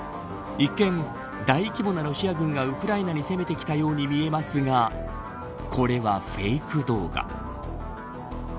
一見、大規模なロシア軍がウクライナに攻めてきたように見えますがこれはフェイク動画。